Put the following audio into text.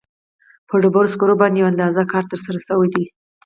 په ډبرو سکرو باندې یو اندازه کار ترسره شوی دی.